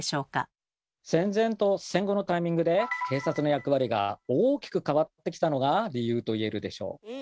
戦前と戦後のタイミングで警察の役割が大きく変わってきたのが理由と言えるでしょう。